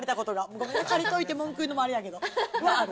ごめんね、借りといて文句言うのもあれやけど。